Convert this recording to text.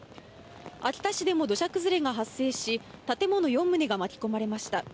秋田市でも土砂崩れが発生し、建物４棟が巻き込まれました。